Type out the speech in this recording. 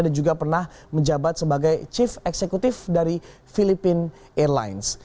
dan juga pernah menjabat sebagai chief executive dari philippine airlines